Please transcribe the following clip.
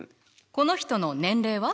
この人の年齢は？